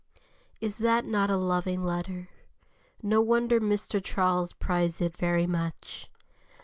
Is not that a loving letter? No wonder Mr. Charles prized it very much.